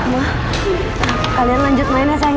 ma kalian lanjut main ya sayang ya